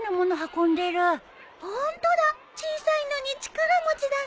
ホントだ小さいのに力持ちだね。